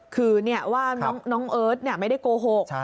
คือว่าน้องเอิร์ทไม่ได้โกหก